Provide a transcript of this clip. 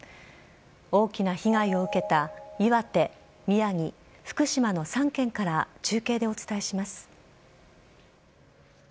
大きな被害を受けた岩手、宮城、福島の３県から中継でお伝えします。